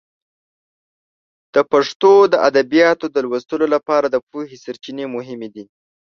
د پښتو د ادبیاتو د لوستلو لپاره د پوهې سرچینې مهمې دي.